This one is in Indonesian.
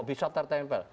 ini bisa tertempel